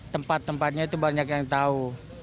tempat tempatnya itu banyak yang tahu